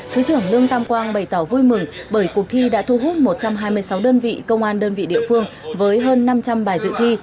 thứ trưởng lương tam quang bày tỏ vui mừng bởi cuộc thi đã thu hút một trăm hai mươi sáu đơn vị công an đơn vị địa phương với hơn năm trăm linh bài dự thi